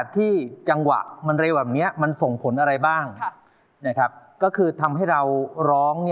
ถ้ามันเร็วแบบนี้มันส่งผลอะไรบ้างที่ทำให้เราร้อง